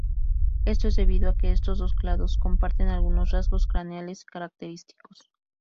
Esto es debido a que estos dos clados comparten algunos rasgos craneales característicos.